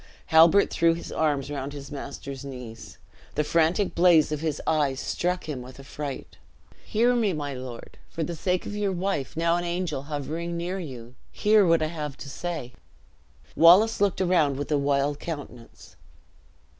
Halbert threw his arms round his master's knees. The frantic blaze of his eyes struck him with affright. "Hear me, my lord; for the sake of your wife, now an angel hovering near you, hear what I have to say." Wallace looked around with a wild countenance.